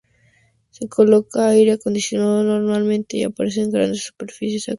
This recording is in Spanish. Se coloca aire acondicionado normalmente y aparecen grandes superficies acristaladas.